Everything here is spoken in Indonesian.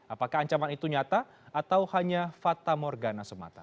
apakah ancaman itu nyata atau hanya fata morgana semata